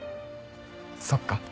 そっか。